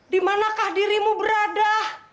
dimanakah dirimu berada